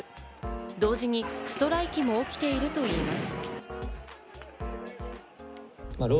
同時にストライキも起きているといいます。